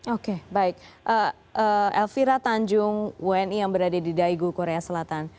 oke baik elvira tanjung wni yang berada di daegu korea selatan